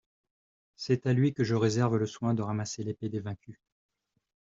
C'est à lui que je réserve le soin de ramasser l'épée des vaincus.